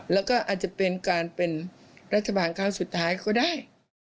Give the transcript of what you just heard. แล้วก็อาจจะเป็นการเป็นรัฐบาลครั้งสุดท้ายก็ได้